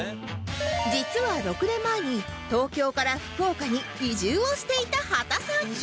実は６年前に東京から福岡に移住をしていた波田さん